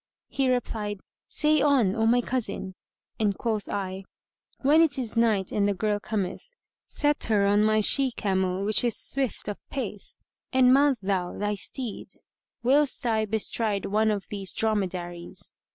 He replied, "Say on, O my cousin"; and quoth I, "When it is night and the girl cometh, set her on my she camel which is swift of pace, and mount thou thy steed, whilst I bestride one of these dromedaries.